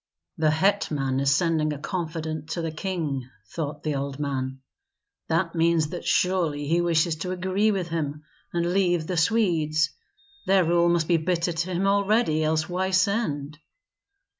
"The hetman is sending a confidant to the king," thought the old man; "that means that surely he wishes to agree with him and leave the Swedes. Their rule must be bitter to him already, else why send?"